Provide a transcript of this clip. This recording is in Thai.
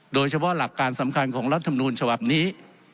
โดยเฉพาะหลักการสำคัญของรัฐมนูลฉบับนี้